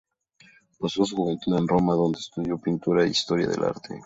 Pasó su juventud en Roma, donde estudió pintura e historia del arte.